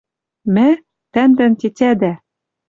Мӓ, тӓмдӓн тетядӓ